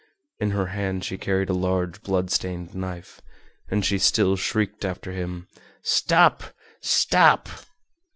In her hand she carried a large blood stained knife, and she still shrieked after him, "Stop! stop!"